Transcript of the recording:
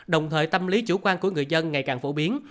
đồng thời tâm lý chủ quan của người dân ngày càng phổ biến